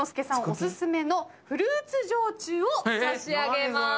お薦めのフルーツ焼酎を差し上げます。